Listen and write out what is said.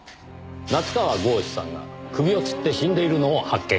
夏河郷士さんが首をつって死んでいるのを発見しました。